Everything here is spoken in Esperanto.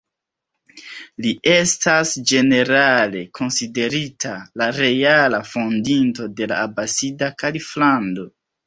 Li estas ĝenerale konsiderita la reala fondinto de la Abasida Kaliflando.